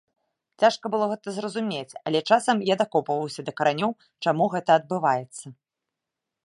Цяжка было гэта зразумець, але часам я дакопваўся да каранёў, чаму гэта адбываецца.